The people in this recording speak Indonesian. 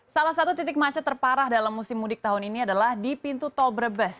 salah satu titik macet terparah dalam musim mudik tahun ini adalah di pintu tol brebes